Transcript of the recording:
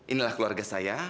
inilah keluarga saya